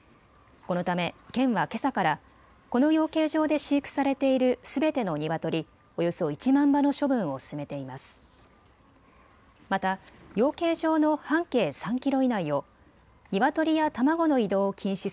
このため県は、けさからこの養鶏場で飼育されているすべてのニワトリおよそ１万羽の処分を進めています。